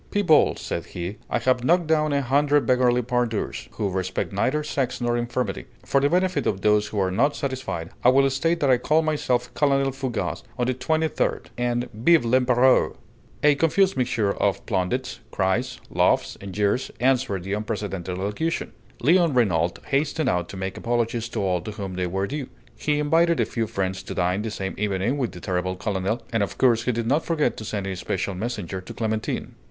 "People," said he, "I have knocked down a hundred beggarly pandours, who respect neither sex nor infirmity. For the benefit of those who are not satisfied, I will state that I call myself Colonel Fougas of the Twenty third. And Vive l'Empéreur!" A confused mixture of plaudits, cries, laughs, and jeers answered this unprecedented allocution. Léon Renault hastened out to make apologies to all to whom they were due. He invited a few friends to dine the same evening with the terrible colonel, and of course he did not forget to send a special messenger to Clémentine.